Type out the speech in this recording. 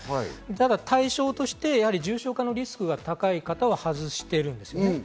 ただ、対象として重症化のリスクが高い方は外してるんですよね。